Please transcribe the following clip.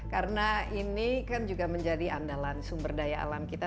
karena ini kan juga menjadi andalan sumber daya alam kita